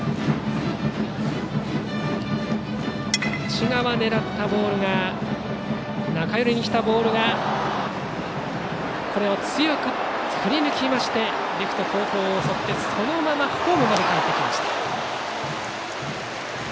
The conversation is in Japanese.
内側を狙ったボール中寄りに来たボールが強く振り抜きましてレフト後方を襲ってそのままホームへかえりました。